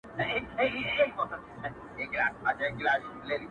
او خپل گرېوان يې تر لمني پوري څيري کړلو_